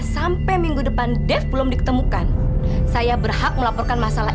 saya juga akan mencari secepatnya